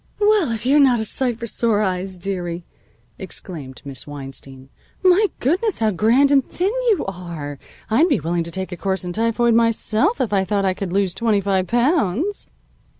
"Well, if you're not a sight for sore eyes, dearie," exclaimed Miss Weinstein. "My goodness, how grand and thin you are! I'd be willing to take a course in typhoid myself, if I thought I could lose twenty five pounds."